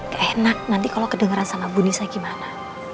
keenak nanti kalau kedengeran sama bu nisa gimana